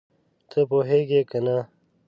ته پوهېږې که نه؟